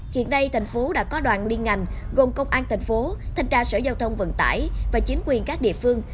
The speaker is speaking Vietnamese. hiện nay thành phố đã có đoàn liên ngành gồm công an thành phố thanh tra sở giao thông vận tải và chính quyền các địa phương